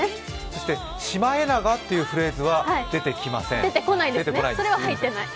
そしてシマエナガってフレーズは、出てきません。